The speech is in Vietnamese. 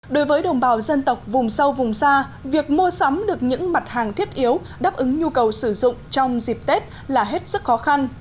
đối với đồng bào dân tộc vùng sâu vùng xa việc mua sắm được những mặt hàng thiết yếu đáp ứng nhu cầu sử dụng trong dịp tết là hết sức khó khăn